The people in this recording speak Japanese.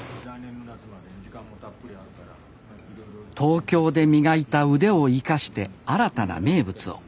東京で磨いた腕を生かして新たな名物を。